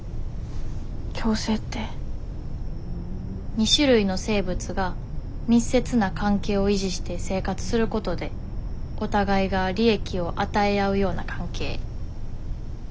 ２種類の生物が密接な関係を維持して生活することでお互いが利益を与え合うような関係。